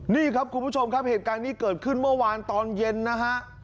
นี่ครับคุณผู้ชมครับเหตุการณ์นี้เกิดขึ้นเมื่อวานตอนเย็นนะฮะ